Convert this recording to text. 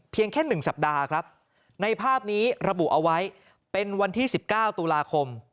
แค่๑สัปดาห์ครับในภาพนี้ระบุเอาไว้เป็นวันที่๑๙ตุลาคม